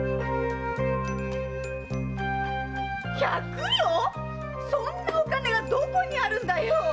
百両⁉そんなお金がどこにあるんだよ？